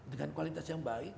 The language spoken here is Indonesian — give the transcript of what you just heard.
dengan kualitas yang baik